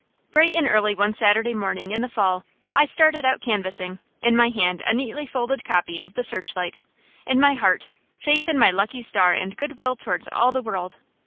Bright and early one Saturday morning in the fall I started out canvassing, in my hand a neatly folded copy of the "Searchlight," in my heart, faith in my lucky star and good will towards all the world.